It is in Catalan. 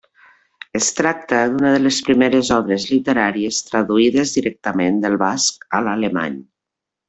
Es tracta d'una de les primeres obres literàries traduïdes directament del basc a l'alemany.